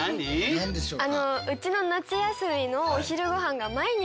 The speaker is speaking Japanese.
何でしょうか？